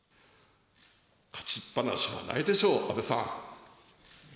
勝ちっぱなしはないでしょう、安倍さん。